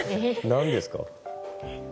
何ですかね。